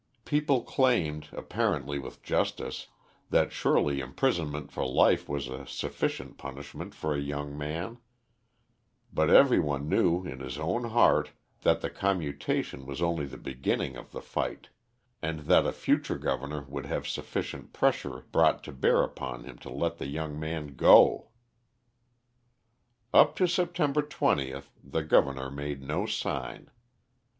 People claimed, apparently with justice, that surely imprisonment for life was a sufficient punishment for a young man; but every one knew in his own heart that the commutation was only the beginning of the fight, and that a future governor would have sufficient pressure brought to bear upon him to let the young man go. Up to September 20 the governor made no sign.